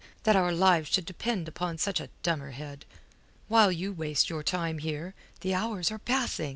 that our lives should depend upon such a dummerhead. While you waste your time here, the hours are passing!